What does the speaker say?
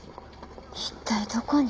一体どこに？